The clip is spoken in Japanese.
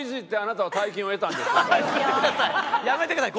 やめてください。